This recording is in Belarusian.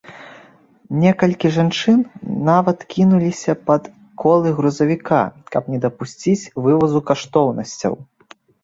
Некалькі жанчын нават кінуліся пад колы грузавіка, каб не дапусціць вывазу каштоўнасцяў.